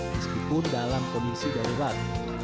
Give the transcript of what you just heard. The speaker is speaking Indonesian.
meskipun dalam kondisi darurat